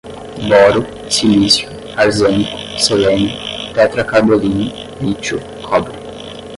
boro, silício, arsênico, selênio, tetracarbolino, lítio, cobre